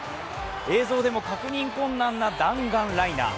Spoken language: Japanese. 映像でも確認困難な弾丸ライナー。